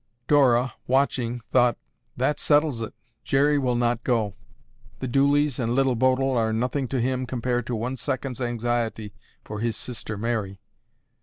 Dora, watching, thought, "That settles it. Jerry will not go. The Dooleys and Little Bodil are nothing to him compared to one second's anxiety for his Sister Mary."